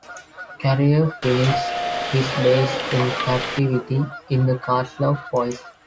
Carrier finished his days in captivity in the castle of Foix.